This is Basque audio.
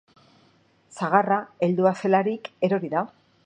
Sagarra heldua zelarik erori da.